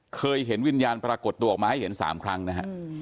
เคยเห็นวิญญาณปรากฏตัวออกมาให้เห็น๓ครั้งนะฮะ